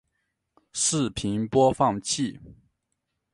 视频播放器